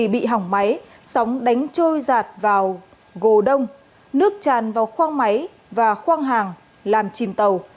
bị hỏng máy sóng đánh trôi giạt vào gồ đông nước tràn vào khoang máy và khoang hàng làm chìm tàu